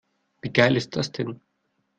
Wie geil ist das denn?